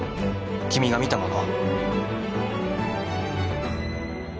君が見たもの。